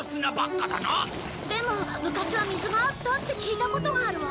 でも昔は水があったって聞いたことがあるわ。